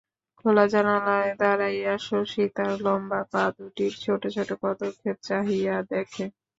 খোলা জানালায় দাড়াইয়া শশী তার লম্বা পা দুটির ছোট ছোট পদক্ষেপ চাহিয়া দেখে।